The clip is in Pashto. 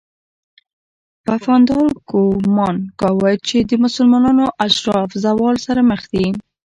پفاندر ګومان کاوه چې د مسلمانانو اشراف زوال سره مخ دي.